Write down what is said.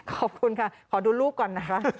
ขอบคุณค่ะขอดูรูปก่อนนะคะ